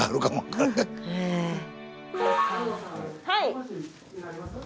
はい。